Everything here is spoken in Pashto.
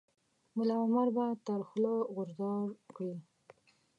ملا عمر به تر خوله غورځار کړي.